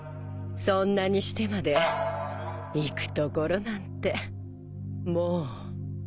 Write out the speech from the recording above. そんなにしてまで行く所なんてもうないだろ？